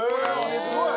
すごい！